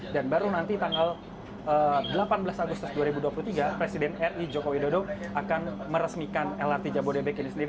dan baru nanti tanggal delapan belas agustus dua ribu dua puluh tiga presiden ri joko widodo akan meresmikan lrt jabodebek ini sendiri